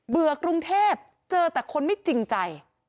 กรุงเทพเจอแต่คนไม่จริงใจ